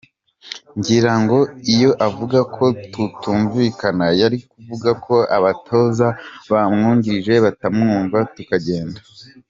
Ngira ngo iyo avuga ko tutumvikana yari kuvuga ko abatoza bamwungirije batamwumva tukagenda.